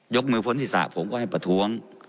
ยกมือพลศีรษะผมก็ให้ประท้วง